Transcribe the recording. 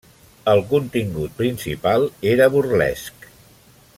El contingut principal era burlesc.